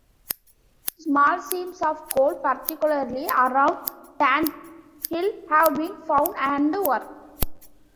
Small seams of coal, particularly around Tan Hill, have been found and worked.